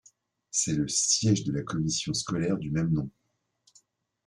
C'est le siège de la commission scolaire du même nom.